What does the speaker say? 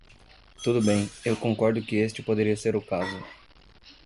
Tudo bem, eu concordo que este poderia ser o caso.